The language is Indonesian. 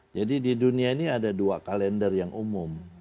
jadi di dunia ini ada dua kalender yang umum